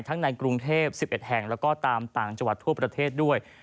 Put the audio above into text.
ทั้งในกรุงเทพสิบเอ็ดแห่งแล้วก็ตามต่างจวัตรทั่วประเทศด้วย